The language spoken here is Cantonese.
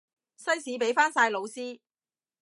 西史畀返晒老師